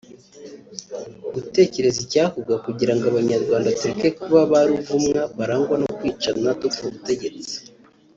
gutekereza icyakorwa kugirango abanyarwanda tureke kuba ba ruvumwa barangwa ko kwicana dupfa ubutegetsi